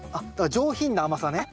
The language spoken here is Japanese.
上品な甘さ。